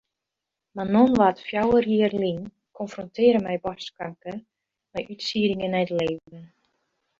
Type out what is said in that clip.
Manon waard fjouwer jier lyn konfrontearre mei boarstkanker mei útsieddingen nei de lever.